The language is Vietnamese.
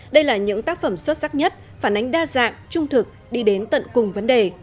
đây là những tác phẩm xuất sắc nhất phản ánh đa dạng trung thực đi đến tận cùng vấn đề